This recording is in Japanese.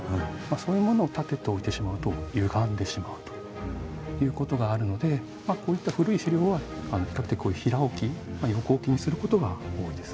そういうものを立てて置いてしまうとゆがんでしまうということがあるのでこういった古い資料は比較的こう平置き横置きにすることが多いです。